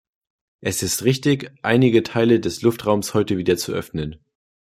Es ist richtig, einige Teile des Luftraums heute wieder zu öffnen.